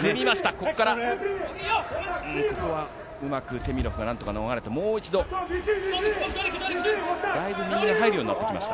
ここからうまくテミロフが逃れて、もう一度。だいぶ右に入るようになってきました。